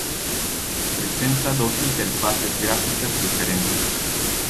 Presenta dos interfaces gráficas diferentes.